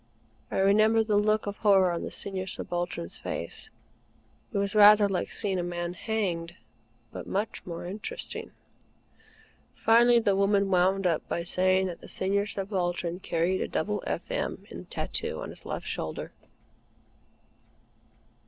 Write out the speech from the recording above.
I remember the look of horror on the Senior Subaltern's face. It was rather like seeing a man hanged; but much more interesting. Finally, the woman wound up by saying that the Senior Subaltern carried a double F. M. in tattoo on his left shoulder.